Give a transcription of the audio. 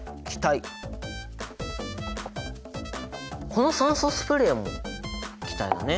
この酸素スプレーも気体だね！